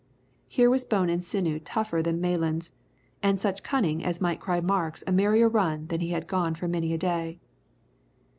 Here was bone and sinew tougher than Malan's, and such cunning as might cry Marks a merrier run than he had gone for many a day.